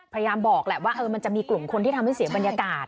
พยายามบอกแหละว่ามันจะมีกลุ่มคนที่ทำให้เสียบรรยากาศ